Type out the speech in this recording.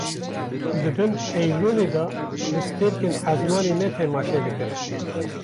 Di bin heyvronê de li stêrkên ezmanê me temaşe dikir